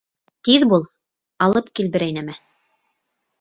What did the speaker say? Тиҙ бул, алып кил берәй нәмә!